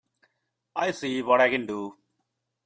I'll see what I can do.